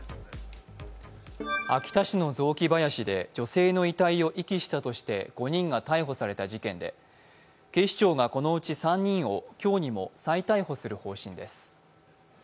秋田市の雑木林で女性の遺体を遺棄したとして５人が逮捕された事件で、警視庁がこのうち３人を今日にも再逮捕する方針です。